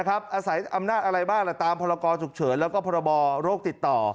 อาศัยอำนาจอะไรบ้างตามพรกรฉุกเฉินแล้วก็พรบโรคติดต่อ